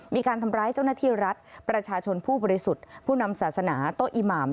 มีการทำร้ายเจ้าหน้าที่รัฐประชาชนผู้บริสุทธิ์ผู้นำศาสนาโต๊ะอิหมาม